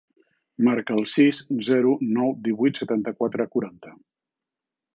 Marca el sis, zero, nou, divuit, setanta-quatre, quaranta.